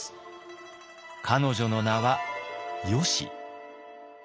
彼女の名は「よし」。